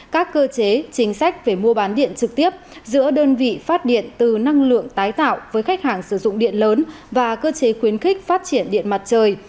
các cơ chế chính sách về mua bán điện trực tiếp giữa đơn vị phát điện từ năng lượng tái tạo với khách hàng sử dụng điện lớn và cơ chế khuyến khích phát triển điện mặt trời